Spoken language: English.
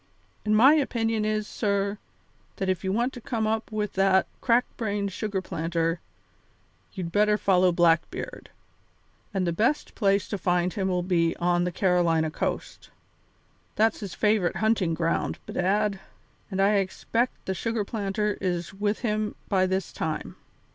And my opinion is, sir, that if you want to come up with that crack brained sugar planter, you'd better follow Blackbeard; and the best place to find him will be on the Carolina coast; that's his favourite hunting ground, bedad, and I expect the sugar planter is with him by this time."